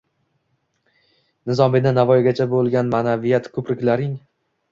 Nizomiydan Navoiygacha bo‘lgan ma’naviyat ko‘priklaring